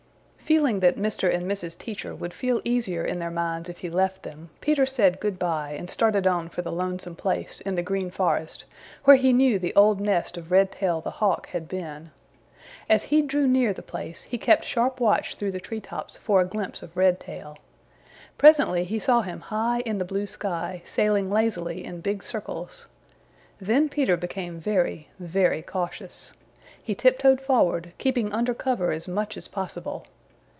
Feeling that Mr. and Mrs. Teacher would feel easier in their minds if he left them, Peter said good by and started on for the lonesome place in the Green Forest where he knew the old nest of Redtail the Hawk had been. As he drew near the place he kept sharp watch through the treetops for a glimpse of Redtail. Presently he saw him high in the blue sky, sailing lazily in big circles. Then Peter became very, very cautious. He tiptoed forward, keeping under cover as much as possible.